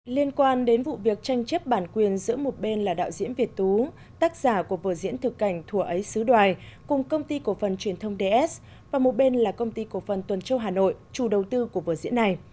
liên quan đến vụ việc tranh chấp bản quyền giữa một bên là đạo diễn việt tú tác giả của vở diễn thực cảnh thùa ấy sứ đoài cùng công ty cổ phần truyền thông ds và một bên là công ty cổ phần tuần châu hà nội chủ đầu tư của vở diễn này